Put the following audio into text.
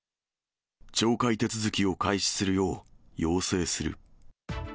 懲戒手続きを開始するよう要請する。